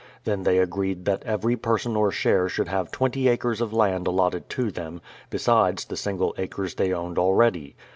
Then they agreed that every person or share should have twenty acres of land allotted to them, besides the single acres they owned already.